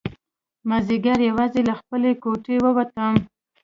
مازیګر یوازې له خپلې کوټې ووتم.